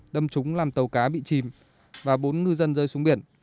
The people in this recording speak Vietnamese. đâm trúng làm tàu cá bị chìm và bốn ngư dân rơi xuống biển